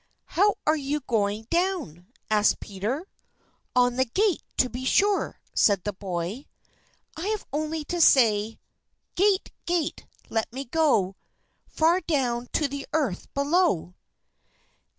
"How are you going down?" asked Peter. "On the gate, to be sure," said the boy; "I have only to say "Gate, gate, let me go Far down to the earth below."